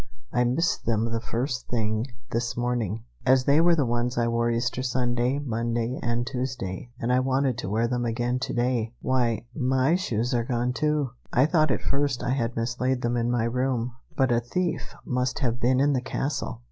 I missed them the first thing this morning, as they were the ones I wore Easter Sunday, Monday, and Tuesday, and I wanted to wear them again to day." "Why, my shoes are gone, too! I thought at first I had mislaid them in my room, but a thief must have been in the castle!"